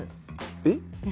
えっ？